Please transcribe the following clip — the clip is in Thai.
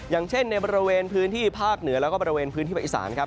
อย่างเช่นในบริเวณพื้นที่ภาคเหนือแล้วก็บริเวณพื้นที่ประอิสานครับ